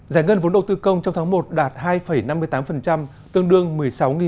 giải ngân vốn đầu tư công trong tháng một đạt hai năm mươi tám tương đương một mươi sáu chín trăm linh tỷ đồng